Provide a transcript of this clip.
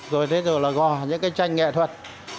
rồi gò những tranh nghệ thuật